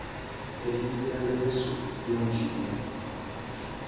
Erinnya lya Yesu ddungi nnyo.